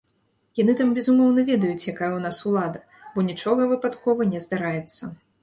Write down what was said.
Яны там, безумоўна, ведаюць, якая ў нас улада, бо нічога выпадкова не здараецца.